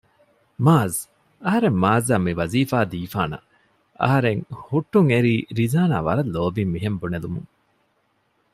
މާޒް! އަހަރެން މާޒްއަށް މިވަޒީފާ ދީފާނަށް އަހަރެން ހުއްޓުންއެރީ ރިޒާނާ ވަރަށް ލޯބިން މިހެން ބުނެލުމުން